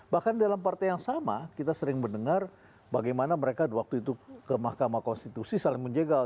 bahkan dalam partai yang sama kita sering mendengar bagaimana mereka waktu itu ke mahkamah konstitusi saling menjegal